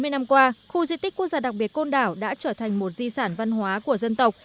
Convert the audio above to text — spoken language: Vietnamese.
hai mươi năm qua khu di tích quốc gia đặc biệt côn đảo đã trở thành một di sản văn hóa của dân tộc